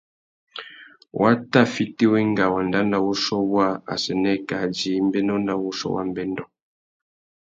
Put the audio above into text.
Wa tà fiti wenga wanda nà wuchiô waā assênē kā djï mbénô nà wuchiô wa mbêndô.